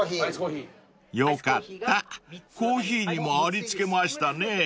［よかったコーヒーにもありつけましたね］